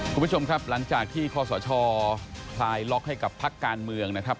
คุณผู้ชมครับหลังจากที่ข้อสชคลายล็อกให้กับพักการเมืองนะครับ